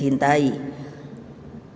yang saya cintai